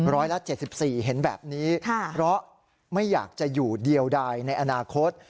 ร้อยละ๗๔เห็นแบบนี้เพราะไม่อยากจะอยู่เดียวใดในอนาคต